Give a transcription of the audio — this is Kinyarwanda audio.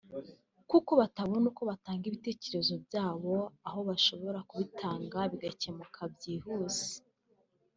kuko batabona uko batanga ibitekerezo byabo aho bashobora kubitanga bigakemuka byihuse